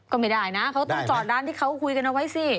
ก็ไม่ได้นะเขาต้องจอดร้านที่เขาคุยกันเอาไว้สิ